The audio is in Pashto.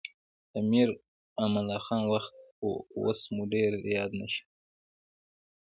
د امیر امان الله خان وخت و اوس مو ډېر یاد نه شي.